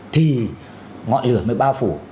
thì ngọn lửa mới bao phủ